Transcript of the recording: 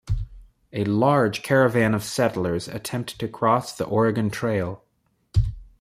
A large caravan of settlers attempt to cross the Oregon Trail.